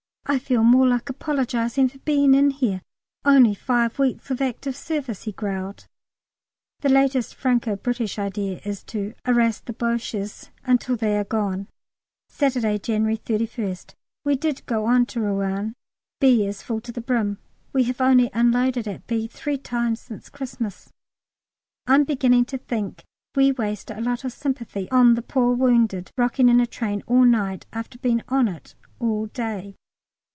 I feel more like apologising for being in here. Only five weeks of active service," he growled. The latest Franco British idea is to Arras the Boches till they Argonne! Sunday, January 31st. We did go on to Rouen. B. is full to the brim. We have only unloaded at B. three times since Christmas. I'm beginning to think we waste a lot of sympathy on the poor wounded rocking in a train all night after being on it all day.